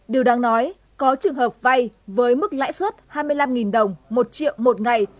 điều đáng nói có trường hợp vay với mức lãi suất hai mươi năm đồng một triệu một ngày